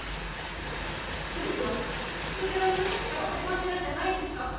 全てはそちらの無策から始まってるんじゃないんですか